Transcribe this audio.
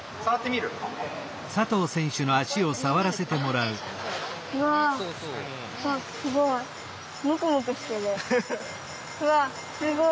うわっすごい。